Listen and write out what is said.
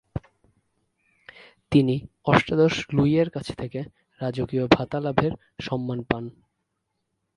তিনি অষ্টাদশ লুইয়ের কাছ থেকে রাজকীয় ভাতা লাভের সম্মান পান।